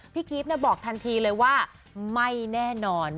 พี่กิฟต์บอกทันทีเลยว่าไม่แน่นอน